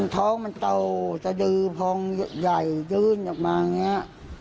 ท้องมันโตสะดือพองใหญ่ยื่นออกมาอย่างนี้